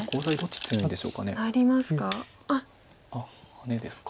ハネですか。